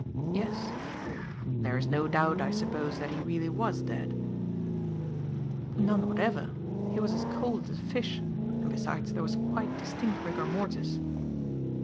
"Yes." "There is no doubt, I suppose, that he really was dead?" "None whatever. He was as cold as a fish, and, besides there was quite distinct rigor mortis."